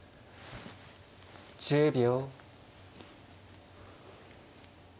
１０秒。